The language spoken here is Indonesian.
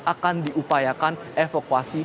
akan diupayakan evakuasi